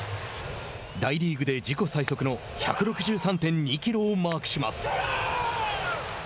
大リーグで自己最速の１６３．２キロをマークします。